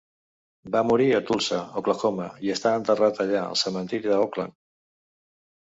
Va morir a Tulsa, Oklahoma, i està enterrat allà, al cementiri Oaklawn.